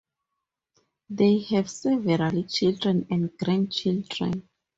They have several children and grand children.